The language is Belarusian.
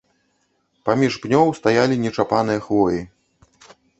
Паміж пнёў стаялі нечапаныя хвоі.